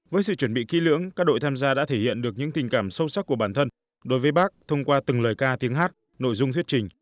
với sự chuẩn bị kỹ lưỡng các đội tham gia đã thể hiện được những tình cảm sâu sắc của bản thân đối với bác thông qua từng lời ca tiếng hát nội dung thuyết trình